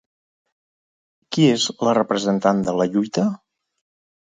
Qui és la representant de la lluita?